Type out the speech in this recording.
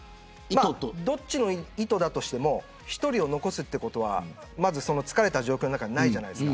どちらの意図だとしても１人を残すということは疲れた状況の中ではないじゃないですか。